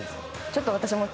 ちょっと私も。